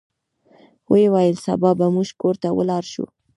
ویې ویل سبا به زموږ کور ته ولاړ شو.